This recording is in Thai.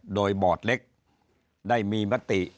โดยบอร์ดเล็กได้มีมติ